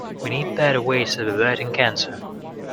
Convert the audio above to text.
We need better ways of averting cancer.